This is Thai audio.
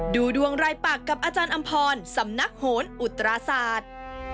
ดูดวงรายปากกับอาจารย์อำพรสำนักโหนอุตราศาสตร์